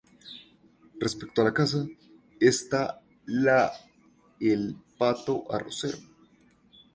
Respecto a la caza, está la el pato arrocero.